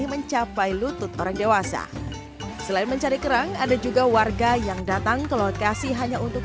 mencapai lutut orang dewasa selain mencari kerang ada juga warga yang datang ke lokasi hanya untuk